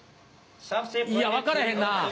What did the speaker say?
いや分からへんな。